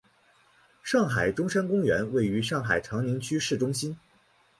上海中山公园位于上海长宁区市中心。